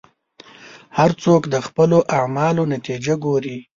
هر څوک د خپلو اعمالو نتیجه ګوري.